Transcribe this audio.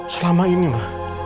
selama ini ma